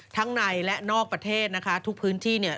ทั้งในและนอกประเทศนะคะทุกพื้นที่เนี่ย